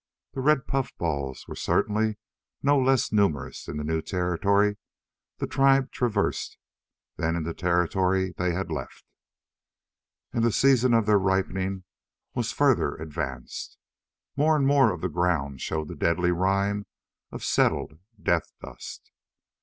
The red puffballs were certainly no less numerous in the new territory the tribe traversed than in the territory they had left. And the season of their ripening' was further advanced. More and more of the ground showed the deadly rime of settled death dust.